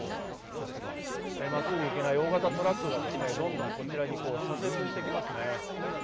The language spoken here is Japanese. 真っすぐ行けない大型トラックがどんどんこちらに左折してきますね。